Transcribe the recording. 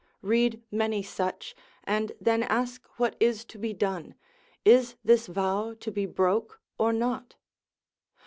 Read many such, and then ask what is to be done, is this vow to be broke or not?